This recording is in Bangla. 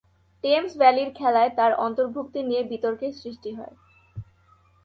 টেমস ভ্যালির খেলায় তাঁর অন্তর্ভূক্তি নিয়ে বিতর্কের সৃষ্টি হয়।